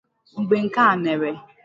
Mgbe nke a mere